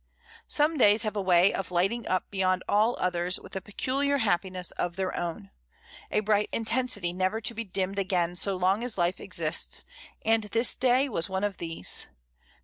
Some days have a way of lighting up beyond all others with a peculiar happiness of their own, a bright intensity never to be dimmed again so long as life exists; and this day was one of these; many 3* 36 MRS.